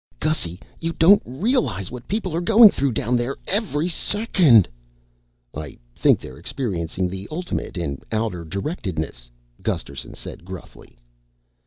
Gussy, you don't realize what people are going through down there every second." "I think they're experiencing the ultimate in outer directedness," Gusterson said gruffly.